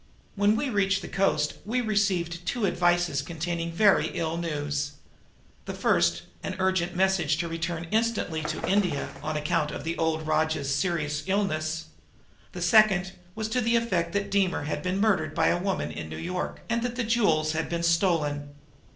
When we reached the coast we received two advices containing very ill news. The first was an urgent message to return instantly to India on account of the old rajah's serious illness; the second was to the effect that Deemer had been murdered by a woman in New York, and that the jewels had been stolen."